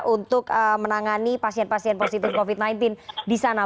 untuk menangani pasien pasien positif covid sembilan belas di sana